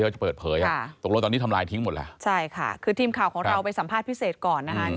ใช่ค่ะคือทีมข่าวของเราไปสัมภาษณ์พิเศษก่อนนะครับ